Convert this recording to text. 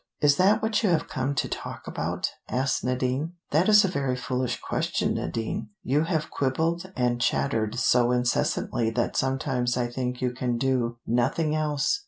"Is that what you have come to talk about?" asked Nadine. "That is a very foolish question, Nadine. You have quibbled and chattered so incessantly that sometimes I think you can do nothing else.